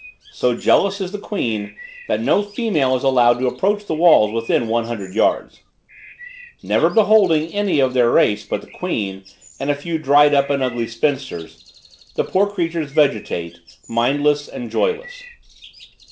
So jealous is the queen, that no female is allowed to approach the walls within one hundred yards. Never beholding any of their race but the queen and a few dried up and ugly spinsters, the poor creatures vegetate, mindless and joyless.